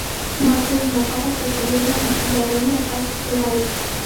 ما خپل ټول ناخوښه تصویرونه له ګالرۍ نه حذف کړل.